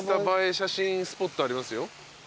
写真スポットありますよ。